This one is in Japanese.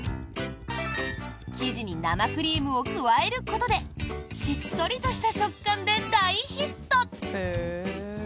生地に生クリームを加えることでしっとりとした食感で大ヒット！